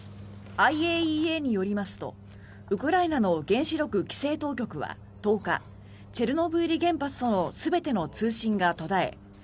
ＩＡＥＡによりますとウクライナの原子力規制当局は１０日チェルノブイリ原発との全ての通信が途絶え